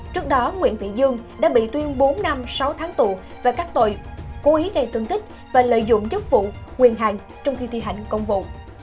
trước đó nguyễn tị dương đã bị tuyên bốn năm sáu tháng tù và cắt tội cố ý gây thương tích và lợi dụng chức vụ nguyên hạn trong khi thi hành công vụ